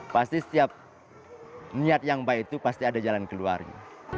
pasti setiap niat yang baik itu pasti ada jalan keluarnya